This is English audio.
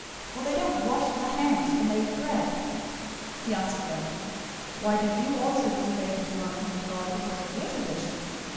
For they don't wash their hands when they eat bread." 015:003 He answered them, "Why do you also disobey the commandment of God because of your tradition?